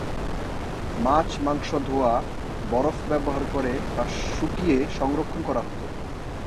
মাছ-মাংশ ধোঁয়া, বরফ ব্যবহার করে বা শুকিয়ে সংরক্ষণ করা হত।